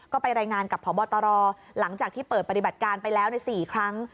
ก็ไปรายงานกับพบตรหลังจากที่เปิดปฏิบัติการไปแล้วใน๔ครั้ง